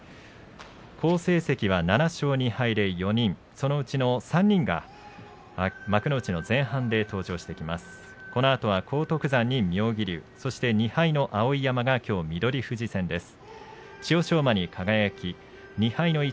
好成績は７勝２敗で４人そのうちの３人が幕内の前半で登場してきます。